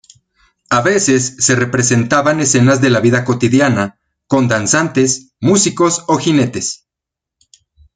A veces se representaban escenas de la vida cotidiana, con danzantes, músicos o jinetes.